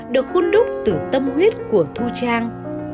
được hôn đúc từ tâm huyết của thu trang